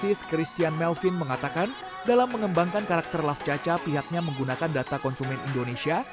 sis christian melvin mengatakan dalam mengembangkan karakter lafcaca pihaknya menggunakan data konsumen indonesia